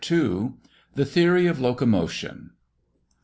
The Theory of Locomotion.